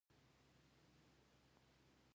په ځانګړو او ډله ییزو ورزشونو کې برخه واخلئ.